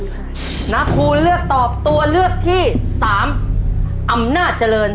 น้องบัวลำภูเลือกตอบตัวเลือกที่๓อำนาจเจริญ